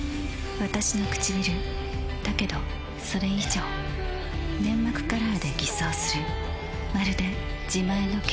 わたしのくちびるだけどそれ以上粘膜カラーで偽装するまるで自前の血色感